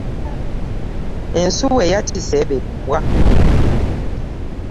Ensuwa eyatise be bbwa.